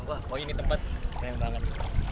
wah ini tempat sayang banget